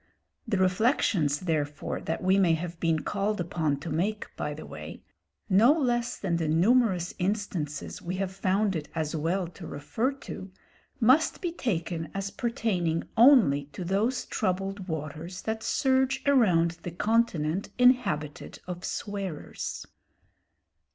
The reflections therefore that we may have been called upon to make by the way, no less than the numerous instances we have found it as well to refer to, must be taken as pertaining only to those troubled waters that surge around the continent inhabited of swearers.